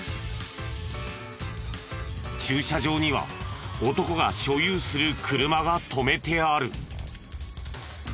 駐車場には男が所有する車が止めてある。